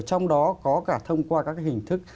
trong đó có cả thông qua các hình thức